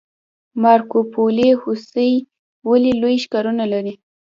مارکوپولو هوسۍ ولې لوی ښکرونه لري؟